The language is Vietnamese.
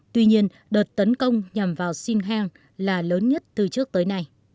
tuy nhiên đợt tấn công nhằm vào singha là lớn nhất từ trước tới nay